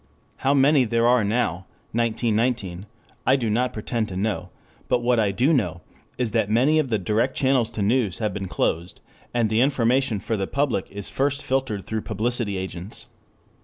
How many there are now (1919) I do not pretend to know, but what I do know is that many of the direct channels to news have been closed and the information for the public is first filtered through publicity agents.